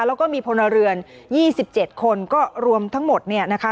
แล้วก็มีพลเรือน๒๗คนก็รวมทั้งหมดเนี่ยนะคะ